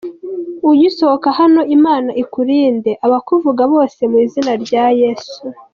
Ugisohoka hano, Imana ikurinde abakuvuga bose mu izina rya Yesu.